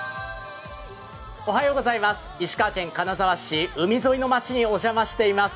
石川県金沢市、海沿いの街にお邪魔しています。